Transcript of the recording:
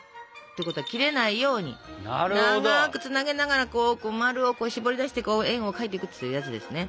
ということは切れないように長くつなげながらこうまるをこうしぼり出して円を描いていくというやつですね。